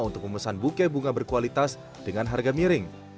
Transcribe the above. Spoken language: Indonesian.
untuk memesan buke bunga berkualitas dengan harga miring